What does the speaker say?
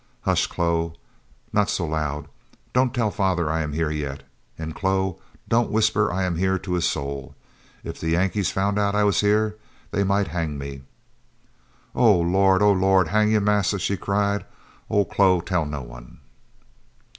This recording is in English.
"Hush, Chloe, not so loud. Don't tell father I am here yet. And, Chloe, don't whisper I am here to a soul. If the Yankees found out I was here, they might hang me." "Oh, Lawd! Oh, Lawd! hang youn' Massa?" she cried. "Ole Chloe tell no one."